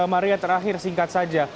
mari yang terakhir singkat saja